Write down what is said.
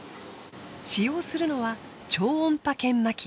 使用するのは超音波研磨機。